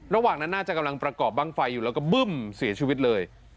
ระหว่างนั้นน่าจะกำลังประกอบบ้างไฟอยู่แล้วก็บึ้มเสียชีวิตเลย